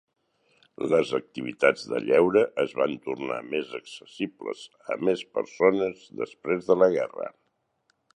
Les activitats de lleure es van tornar més accessibles a més persones després de la guerra.